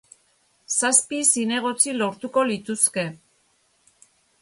Zazpi zinegotzi lortuko lituzke.